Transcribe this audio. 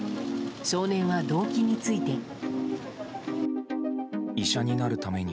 少年は動機について。